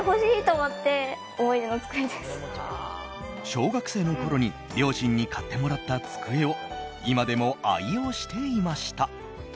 小学生のころに両親に買ってもらった机を今でも愛用していました。